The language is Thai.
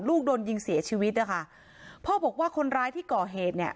โดนยิงเสียชีวิตนะคะพ่อบอกว่าคนร้ายที่ก่อเหตุเนี่ย